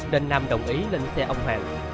nên nam đồng ý lên xe ông hoàng